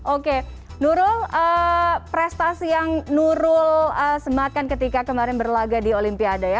oke nurul prestasi yang nurul sematkan ketika kemarin berlaga di olimpiade ya